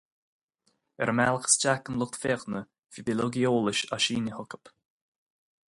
Ar an mbealach isteach don lucht féachana, bhí bileoga eolais á síneadh chucu.